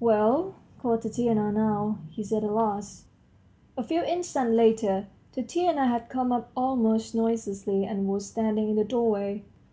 "Well, call Tatiana now," he said at last. A few instants later, Tatiana had come up almost noiselessly, and was standing in the doorway.